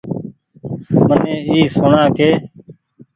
مني اي سوڻآ ڪي